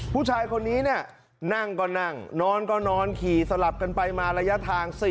ผู้ชายคนนี้เนี่ยนั่งก็นั่งนอนก็นอนขี่สลับกันไปมาระยะทาง